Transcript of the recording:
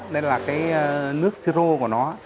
đây là cái nước si rô của nó